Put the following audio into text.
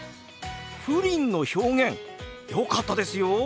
「プリン」の表現よかったですよ！